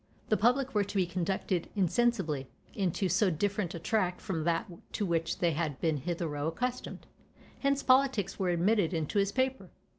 The public were to be conducted insensibly into so different a track from that to which they had been hitherto accustomed. Hence politics were admitted into his paper.